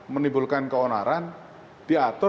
menimbulkan keonaran diatur